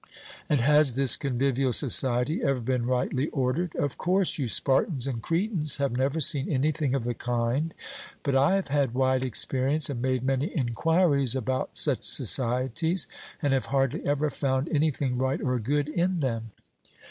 And has this convivial society ever been rightly ordered? Of course you Spartans and Cretans have never seen anything of the kind, but I have had wide experience, and made many enquiries about such societies, and have hardly ever found anything right or good in them.